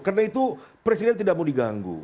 karena itu presiden tidak mau diganggu